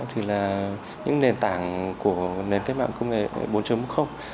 thì là những nền tảng của nền cách mạng công nghệ bốn